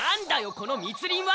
この密林は！